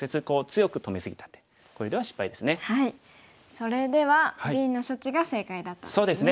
それではＢの処置が正解だったんですね。